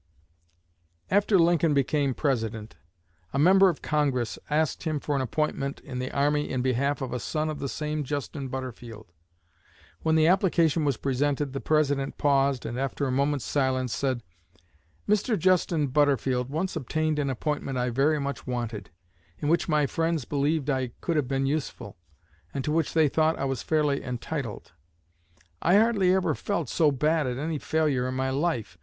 After Lincoln became President, a Member of Congress asked him for an appointment in the army in behalf of a son of the same Justin Butterfield. When the application was presented, the President paused, and after a moment's silence, said: "Mr. Justin Butterfield once obtained an appointment I very much wanted, in which my friends believed I could have been useful, and to which they thought I was fairly entitled. I hardly ever felt so bad at any failure in my life.